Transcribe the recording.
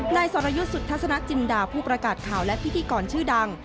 สรยุทธ์สุทัศนจินดาผู้ประกาศข่าวและพิธีกรชื่อดัง